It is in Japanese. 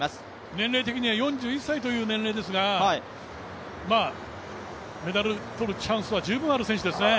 年齢的には４１歳という年齢ですが、メダル取るチャンスは十分ある選手ですね。